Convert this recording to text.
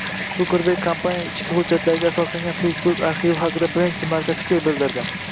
Sukerberg kompaniyaning ichki hujjatlariga asoslangan Facebook arxivi haqida birinchi marta fikr bildirdi